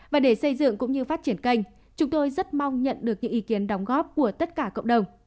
và để xây dựng cũng như phát triển kênh chúng tôi rất mong nhận được những ý kiến đóng góp của tất cả cộng đồng